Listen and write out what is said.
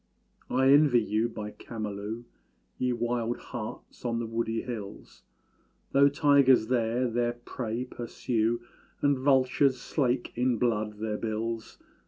I envy you by Camalú, Ye wild harts on the woody hills; Though tigers there their prey pursue, And vultures slake in blood their bills.